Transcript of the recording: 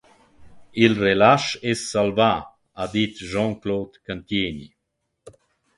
«Il relasch es salvà», ha dit Jean-Claude Cantieni.